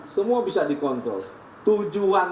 semua bisa dikontrol tujuan